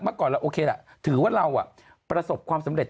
ก่อนเราโอเคล่ะถือว่าเราประสบความสำเร็จ